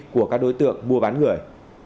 của các đối tượng mua bán người